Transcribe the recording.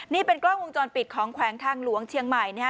นี่เป็นกล้องวงจรปิดของแขวงทางหลวงเชียงใหม่นะฮะ